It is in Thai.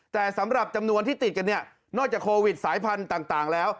แต่สำหรับจำนวนที่ติดกันเนี่ยนอกจากโควิดสายพันธุ์ต่างแล้ว